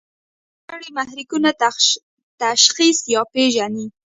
حسي غړي محرکونه تشخیص یا پېژني.